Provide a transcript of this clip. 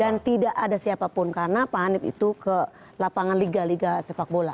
dan tidak ada siapapun karena pak hani itu ke lapangan liga liga sepak bola